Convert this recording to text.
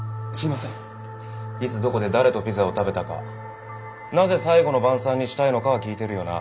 いつどこで誰とピザを食べたかなぜ最後の晩餐にしたいのかは聞いてるよな？